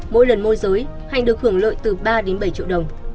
môi giới hạnh được hưởng lợi từ ba đến bảy triệu đồng